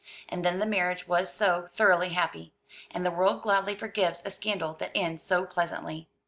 And then the marriage was so thoroughly happy; and the world gladly forgives a scandal that ends so pleasantly.